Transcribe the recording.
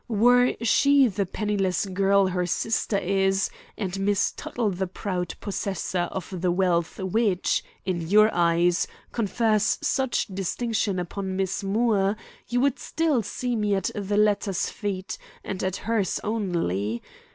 Were she the penniless girl her sister is, and Miss Tuttle the proud possessor of the wealth which, in your eyes, confers such distinction upon Miss Moore, you would still see me at the latter's feet, and at hers only.